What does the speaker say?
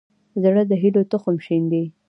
زړه د هيلو تخم شیندي.